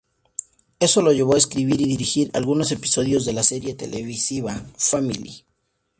Eso lo llevó a escribir y dirigir algunos episodios de la serie televisiva "Family".